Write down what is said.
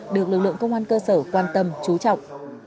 được lực lượng công an cơ sở quan tâm trú trọng